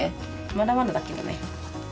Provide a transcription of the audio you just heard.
まだまだだけどね。